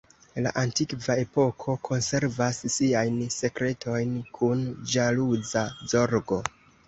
La antikva epoko konservas siajn sekretojn kun ĵaluza zorgo.